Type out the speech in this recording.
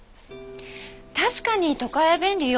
確かに都会は便利よ。